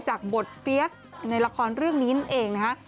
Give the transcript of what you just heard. จากบทเฟียสในละครเรื่องนี้นั่นเองนะคะ